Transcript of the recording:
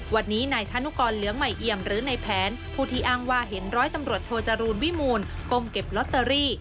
วันนี้นายธนุกรเหลืองใหม่เอี่ยมหรือในแผนผู้ที่อ้างว่าเห็นร้อยตำรวจโทจรูลวิมูลก้มเก็บลอตเตอรี่